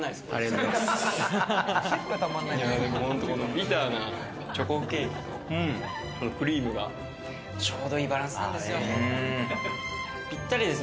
ビターなチョコケーキとクリームがちょうどいいバランスです。